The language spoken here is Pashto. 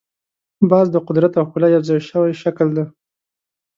باز د قدرت او ښکلا یو ځای شوی شکل دی